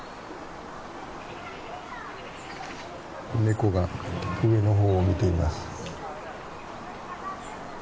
ネコが上の方を見ています。